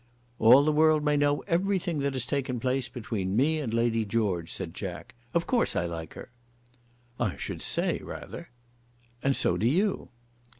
"All the world may know everything that has taken place between me and Lady George," said Jack. "Of course I like her." "I should say, rather." "And so do you."